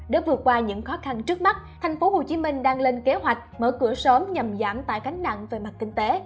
để vượt qua những khó khăn trước mắt tp hcm đang lên kế hoạch mở cửa sớm nhằm giảm tài cánh nặng về mặt kinh tế